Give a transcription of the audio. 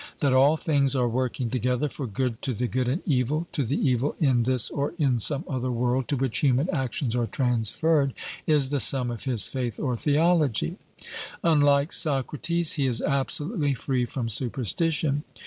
That all things are working together for good to the good and evil to the evil in this or in some other world to which human actions are transferred, is the sum of his faith or theology. Unlike Socrates, he is absolutely free from superstition.